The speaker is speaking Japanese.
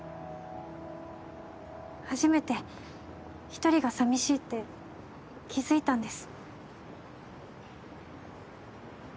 初めて１人が寂しいって気付いたんです。